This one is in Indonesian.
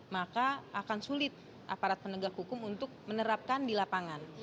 maka akan sulit aparat penegak hukum untuk menerapkan di lapangan